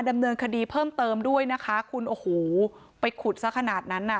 ดำเนินคดีเพิ่มเติมด้วยนะคะคุณโอ้โหไปขุดซะขนาดนั้นน่ะ